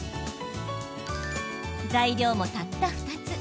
材料もたった２つ。